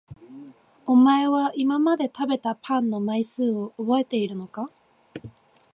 お前は今まで食べたパンの枚数を覚えているのか？